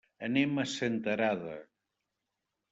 Anem a Senterada.